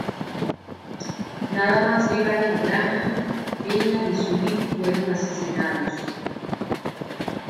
Nada más llegar a la granja, Einar y su hijo fueron asesinados.